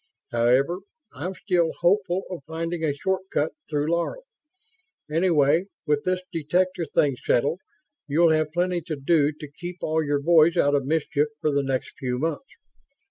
However, I'm still hopeful of finding a shortcut through Laro. Anyway, with this detector thing settled, you'll have plenty to do to keep all your boys out of mischief for the next few months."